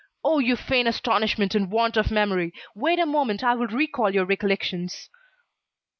"Oh! You feign astonishment and want of memory. Wait a moment, I will recall your recollections."